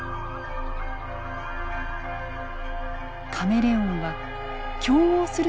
カメレオンは競合する